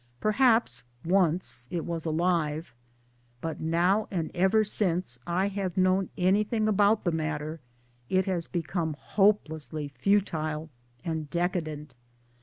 Perhaps once it was alive ; but now and ever since I have known anything] about the matter it has become hopelessly futile and decadent.